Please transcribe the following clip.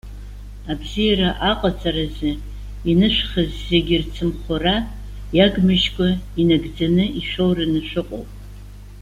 Абзиара аҟаҵаразы инышәхыз зегьы рцымхәра, иагмыжькәа, инагӡаны ишәоураны шәыҟоуп.